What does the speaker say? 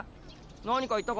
何か言ったか？